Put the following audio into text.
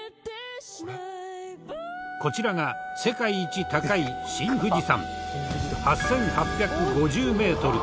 こちらが世界一高い新富士山８８５０メートル。